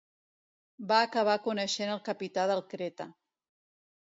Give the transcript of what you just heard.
Va acabar coneixent el capità del Creta.